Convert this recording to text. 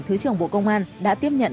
thứ trưởng bộ công an đã tiếp nhận